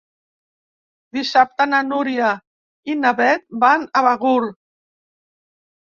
Dissabte na Núria i na Beth van a Begur.